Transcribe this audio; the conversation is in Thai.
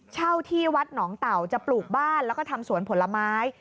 เช่าที่วัดหนองเต่าจะปลูกบ้านแล้วก็ทำสวนผลไม้